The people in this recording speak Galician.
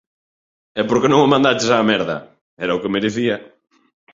E por que non o mandaches á merda? Era o que merecía.